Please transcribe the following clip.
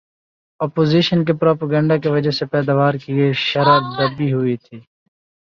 opposition کے propaganda کی وجہ سے پیداوار کی یہ شرح دبی ہوئی تھی